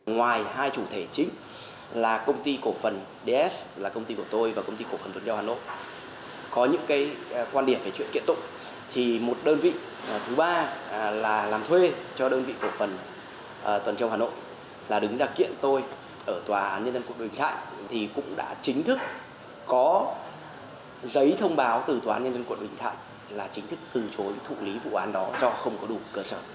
ngoài hai chủ thể chính là công ty cổ phần ds là công ty của tôi và công ty cổ phần tuần châu hà nội có những quan điểm về chuyện kiện tụng thì một đơn vị thứ ba là làm thuê cho đơn vị cổ phần tuần châu hà nội là đứng ra kiện tôi ở tòa nhân dân quận bình thạnh thì cũng đã chính thức có giấy thông báo từ tòa nhân dân quận bình thạnh là chính thức từ chối thụ lý vụ án đó do không có đủ cơ sở